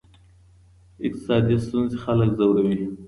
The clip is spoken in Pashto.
اقتصادي ستونزې خلک ځوروي.